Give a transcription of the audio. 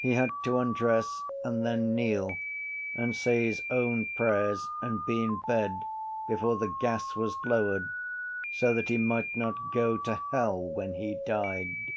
He had to undress and then kneel and say his own prayers and be in bed before the gas was lowered so that he might not go to hell when he died.